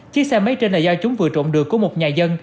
chiếc xe máy trên là do chúng vừa trộm được của một nhà dân